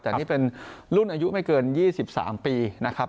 แต่นี่เป็นรุ่นอายุไม่เกิน๒๓ปีนะครับ